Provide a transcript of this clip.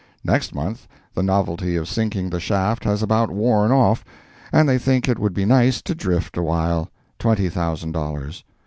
Next month, the novelty of sinking the shaft has about worn off, and they think it would be nice to drift a while—twenty thousand dollars.